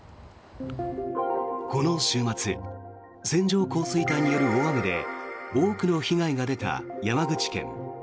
この週末線状降水帯による大雨で多くの被害が出た山口県。